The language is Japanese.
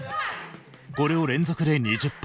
これを連続で２０本。